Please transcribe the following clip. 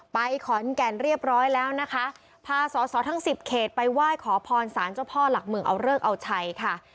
ไปขอนแก่นเรียบร้อยแล้วนะครับ